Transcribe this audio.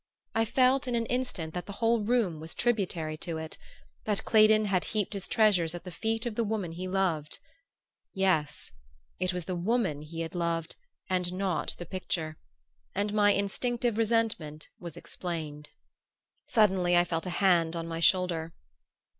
I felt in an instant that the whole room was tributary to it: that Claydon had heaped his treasures at the feet of the woman he loved. Yes it was the woman he had loved and not the picture; and my instinctive resentment was explained. Suddenly I felt a hand on my shoulder.